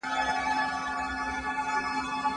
ما تېره شپه یوه نوي ستونزه حل کړه.